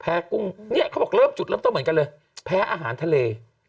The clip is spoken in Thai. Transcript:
กุ้งเนี่ยเขาบอกเริ่มจุดเริ่มต้นเหมือนกันเลยแพ้อาหารทะเล